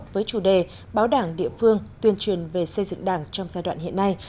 với chủ đề báo đảng địa phương tuyên truyền về xây dựng đảng trong giai đoạn hiện nay